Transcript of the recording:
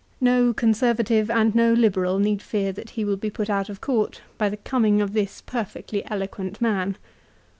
No Conservative and no Liberal need fear that he will be put out of court by the coining of this perfectly eloquent man.